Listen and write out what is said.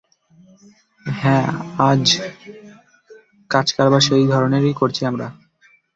হ্যাঁ, আজ কাজকারবার সেই ধরনেরই করছি আমরা।